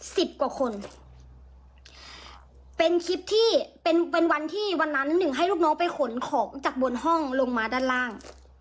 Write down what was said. สิบกว่าคนเป็นคลิปที่เป็นเป็นวันที่วันนั้นหนึ่งให้ลูกน้องไปขนของจากบนห้องลงมาด้านล่าง